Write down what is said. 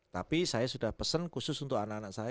tapi saya sudah pesen khusus untuk anak anak saya